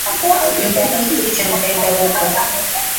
Mpiga picha ameenda huko.